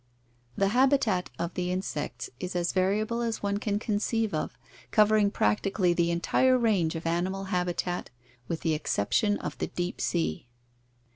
— The habitat of the insects is as variable as one can conceive of, covering practically the entire range of animal habitat with the exception of the deep sea.